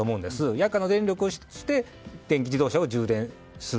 夜間に電力を使って電気自動車を充電する。